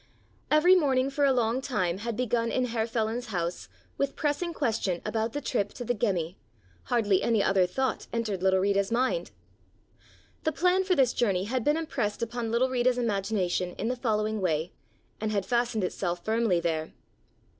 Every morning for a long time had begun in Herr Feland's house with pressing question about the trip to the Gemmi, hardly any other thought entered little Rita's mind. The plan for this journey had been impressed upon little Rita's imagination in the following way, and had fastened itself firmly there.